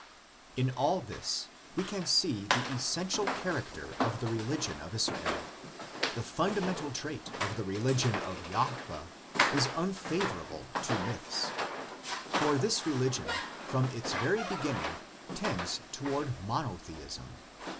In all this we can see the essential character of the religion of Israel. The fundamental trait of the religion of Jahveh is unfavorable to myths. For this religion from its very beginning tends toward monotheism.